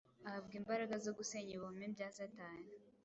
Ahabwa imbaraga zo gusenya ibihome bya Satani.